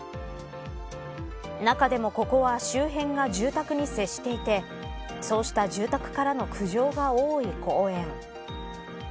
中でも、ここは周辺が住宅に接していてそうした住宅からの苦情が多い公園。